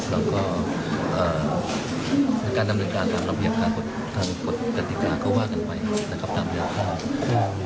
แล้วก็การดำเนินการตามระเบียบทางกฎกติกาก็ว่ากันไปนะครับตามยาฆ่า